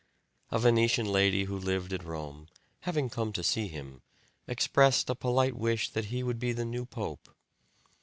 A Venetian lady who lived at Rome, having come to see him, expressed a polite wish that he would be the new pope.